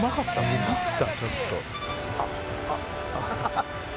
「ビビったちょっと」